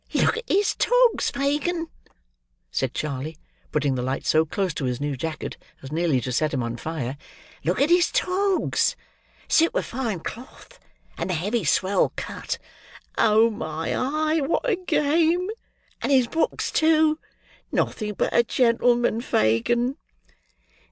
"Look at his togs, Fagin!" said Charley, putting the light so close to his new jacket as nearly to set him on fire. "Look at his togs! Superfine cloth, and the heavy swell cut! Oh, my eye, what a game! And his books, too! Nothing but a gentleman, Fagin!"